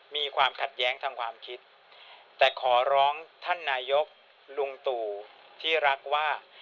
มีความขัดแย้งทางความคิดแต่ขอร้องท่านนายกลุงตู่ที่รักว่า